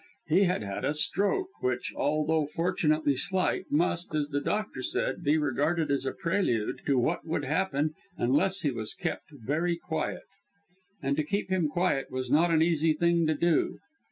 He had had a stroke which, although fortunately slight, must, as the doctor said, be regarded as a prelude to what would happen, unless he was kept very quiet. And to keep him quiet was not an easy thing to do.